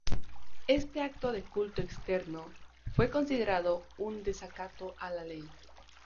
Este acto de culto externo, fue considerado un desacato a la ley.